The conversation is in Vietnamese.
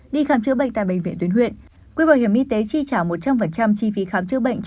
đi khám chữa bệnh tại bệnh viện tuyến huyện quỹ bảo hiểm y tế chi trả một trăm linh chi phí khám chữa bệnh